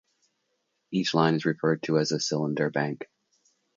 Each line is referred to as a cylinder bank.